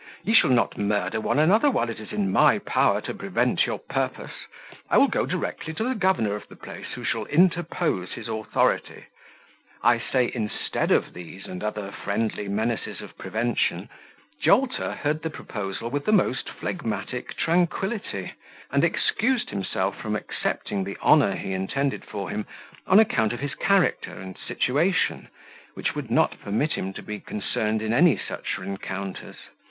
You shall not murder one another while it is in my power to prevent your purpose. I will go directly to the governor of the place, who shall interpose his authority I say " instead of these and other friendly menaces of prevention, Jolter heard the proposal with the most phlegmatic tranquility, and excused himself from accepting the honour he intended for him, on account of his character and situation, which would not permit him to be concerned in any such rencontres.